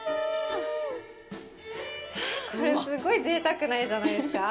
えっ、これすごいぜいたくな絵じゃないですか？